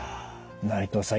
内藤さん